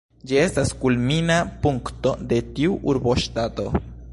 Ĝi estas kulmina punkto de tiu urboŝtato.